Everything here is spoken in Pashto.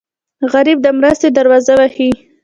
غریب د مرستې دروازه وهي